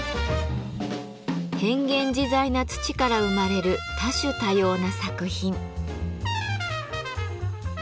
変幻自在な土から生まれる多種多様な作品。